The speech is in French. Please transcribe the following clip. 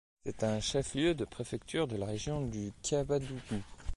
C'est un chef-lieu de préfecture de la région du Kabadougou.